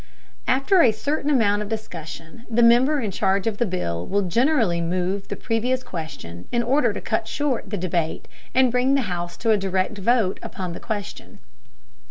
After a certain amount of discussion the member in charge of the bill will generally move the previous question in order to cut short the debate and bring the House to a direct vote upon the question.